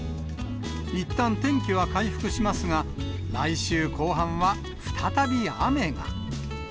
いったん天気は回復しますが、来週後半は再び雨が。